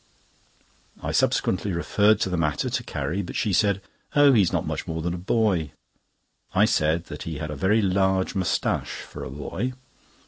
I subsequently referred to the matter to Carrie, but she said: "Oh, he's not much more than a boy." I said that he had a very large moustache for a boy.